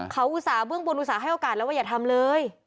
เขาอุตส่าหเบื้องบนอุตส่าห์โอกาสแล้วว่าอย่าทำเลย